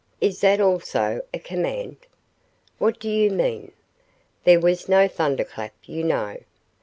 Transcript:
"Is that also a command?" "What do you mean?" "There was no thunderclap, you know."